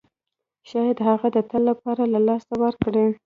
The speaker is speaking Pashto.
شاید هغه د تل لپاره له لاسه ورکړئ.